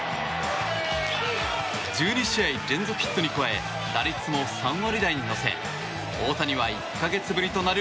１２試合連続ヒットに加え打率も３割台に乗せ大谷は１か月ぶりとなる